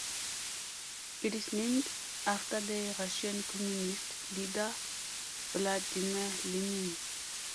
It is named after the Russian Communist leader Vladimir Lenin.